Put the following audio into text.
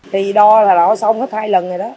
thì đo là đã xong hết hai lần rồi đó